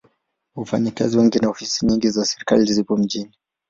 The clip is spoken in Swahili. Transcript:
Wafanyakazi wengi na ofisi nyingi za serikali zipo mjini.